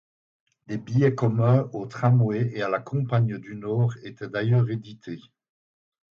Des billets communs au tramway et à la Compagne du Nord étaient d'ailleurs édités.